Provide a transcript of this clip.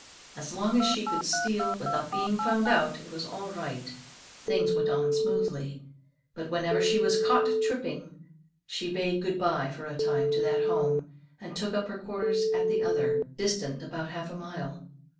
As long as she could steal without being found out, it was all right, things went on smoothly; but whenever she was caught tripping, she bade good bye for a time to that home, and took up her quarters at the other, distant about half a mile.